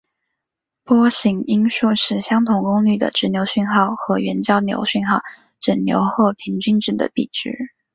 波形因数是相同功率的直流讯号和原交流讯号整流后平均值的比值。